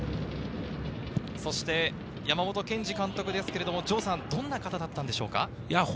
そして山本健二監督ですけれども、城さん、どんな方だったんでしょうか。